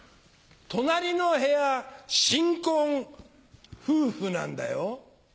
隣の部屋新婚夫婦なんだよ。